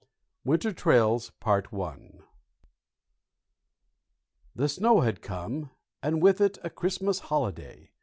WINTER TRAILS The snow had come, and with it a Christmas holiday.